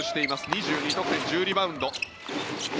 ２２得点１０リバウンド。